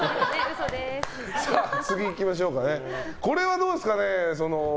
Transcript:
次、これはどうですかね。